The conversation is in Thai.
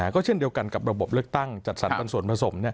ก็เช่นเดียวกันกับระบบเลือกตั้งจัดสรรปันส่วนผสม